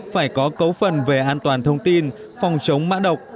phải có cấu phần về an toàn thông tin phòng chống mã độc